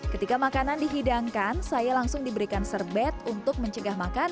ketika makanan dihidangkan saya langsung diberikan serbet untuk mencegah makanan